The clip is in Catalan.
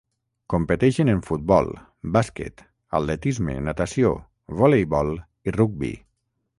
Competeixen en futbol, bàsquet, atletisme, natació, voleibol i rugbi.